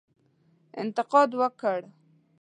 انتقاد وکړ.